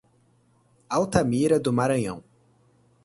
Altamira do Maranhão